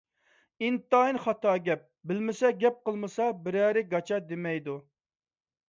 ئىنتايىن خاتا گەپ. بىلمىسە، گەپ قىلمىسا بىرەرى گاچا دېمەيدۇ.